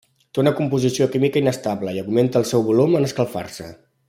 Té una composició química inestable, i augmenta el seu volum en escalfar-se.